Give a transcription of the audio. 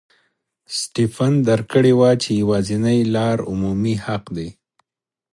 سټېفن درک کړې وه چې یوازینۍ لار عمومي حق دی.